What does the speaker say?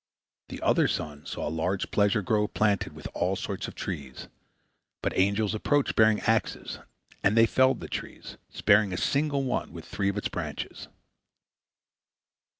The other son saw a large pleasure grove planted with all sorts of trees. But angels approached bearing axes, and they felled the trees, sparing a single one with three of its branches.